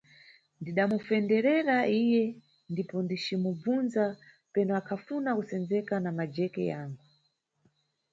Ndidamufenderera iye ndipo ndicimubvunza penu akhafuna kusenzeka na majeke yangu.